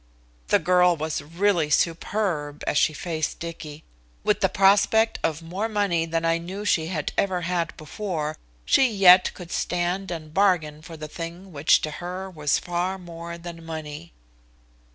The girl was really superb as she faced Dicky. With the prospect of more money than I knew she had ever had before, she yet could stand and bargain for the thing which to her was far more than money.